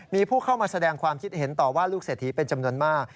มีผู้เข้ามาแสดงความคิดเห็นต่อว่าลูกเศรษฐีเป็นจำนวนมาก